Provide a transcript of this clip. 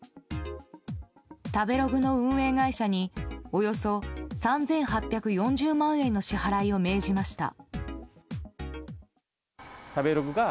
食べログの運営会社におよそ３８４０万円の支払いを命じました。